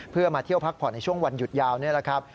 เพื่อมาเที่ยวพักผ่อนในช่วงวันหยุดยาวนี่แหละครับ